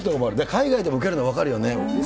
海外でも受けるの分かるよね。